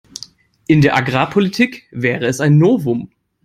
In der Agrarpolitik wäre es ein Novum.